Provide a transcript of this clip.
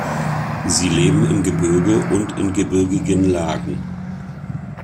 Sie leben im Gebirge und in gebirgigen Lagen.